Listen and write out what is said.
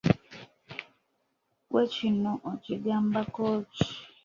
Ggwe kino okigambako ki?